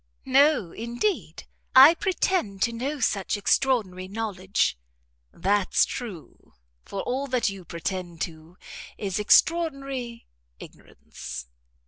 "No, indeed; I pretend to no such extraordinary knowledge." "That's true; for all that you pretend to is extraordinary ignorance."